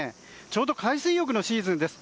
ちょうど海水浴のシーズンです。